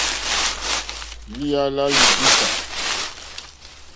Lìyɛ́ lá līrzīkà.